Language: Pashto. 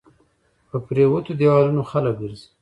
په پريوتو ديوالونو خلک ګرځى